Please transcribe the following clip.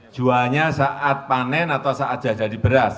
jualnya saat panen atau saat jajah di beras